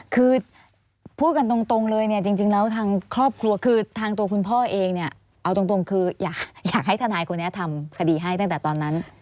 คือพูดกันตรงเลยเนี่ยจริงแล้วทางครอบครัวคือทางตัวคุณพ่อเองเนี่ยเอาตรงคืออยากให้ทนายคนนี้ทำคดีให้ตั้งแต่ตอนนั้น